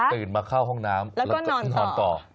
ตื่นมาเข้าห้องน้ำแล้วก็นอนต่อ